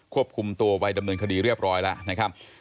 ควบคุมตัวไว้ดำเนินคดีเรียบร้อยแล้วนะครับ